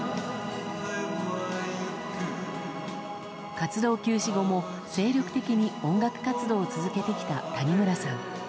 活動休止後も精力的に音楽活動を続けてきた谷村さん。